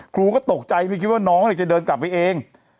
ครูก็ตกใจไม่คิดว่าน้องจะเดินกลับไปเอง